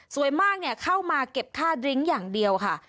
มากเข้ามาเก็บค่าดริ้งอย่างเดียวค่ะ